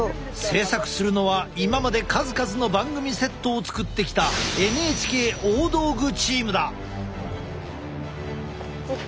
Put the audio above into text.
制作するのは今まで数々の番組セットを作ってきたＮＨＫ大道具チームだ！